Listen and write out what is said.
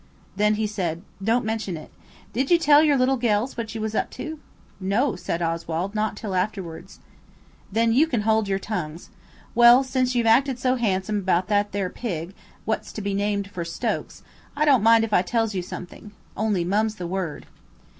Then he said, "Don't mention it. Did you tell your little gells what you was up to?" "No," said Oswald, "not till afterwards." "Then you can hold your tongues. Well, since you've acted so handsome about that there pig, what's to be named for Stokes, I don't mind if I tells you something. Only mum's the word."